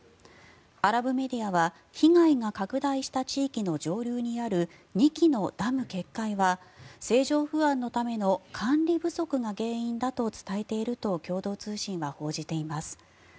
アラブメディアは被害が拡大した地域の上流にある２基のダム決壊は政情不安のための管理不足が原因だと伝えていると共同通信は報じています。